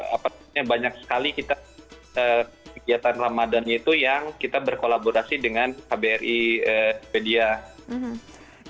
apatahnya banyak sekali kita kegiatan ramadan itu yang kita berkolaborasi dengan kbri sweden